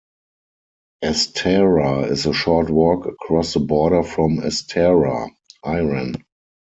Astara is a short walk across the border from Astara, Iran.